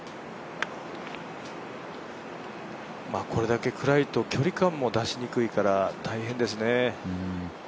これだけ暗いと距離感も出しにくいから大変ですね。